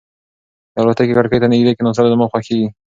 د الوتکې کړکۍ ته نږدې کېناستل زما خوښېږي.